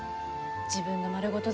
自分の丸ごと